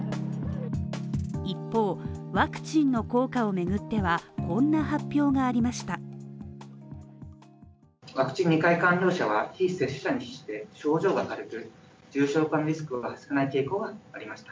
一方、ワクチンの効果をめぐっては、こんな発表がありました。